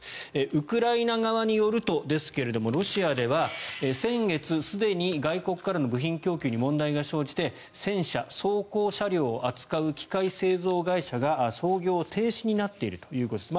ウクライナ側によるとですけれどもロシアでは先月すでに外国からの部品供給に問題が生じて戦車、装甲車両を扱う機械製造会社が操業停止になっているということです。